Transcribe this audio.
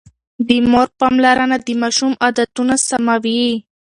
د مور پاملرنه د ماشوم عادتونه سموي.